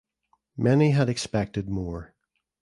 Many had expected more.